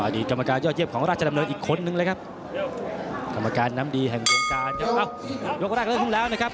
อดีตกรรมการยอดเยี่ยใจร่วมของรัดชำนำนวทย์อีกค้นหนึ่งเลยครับ